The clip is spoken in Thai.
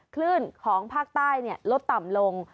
คลื่นของภาคใต้ลดต่ำลง